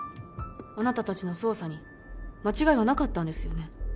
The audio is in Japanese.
あなた達の捜査に間違いはなかったんですよね？